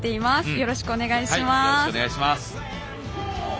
よろしくお願いします。